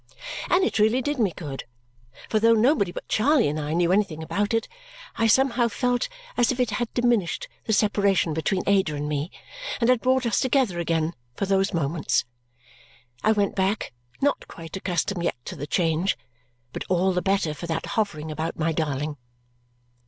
And it really did me good, for though nobody but Charley and I knew anything about it, I somehow felt as if it had diminished the separation between Ada and me and had brought us together again for those moments. I went back, not quite accustomed yet to the change, but all the better for that hovering about my darling.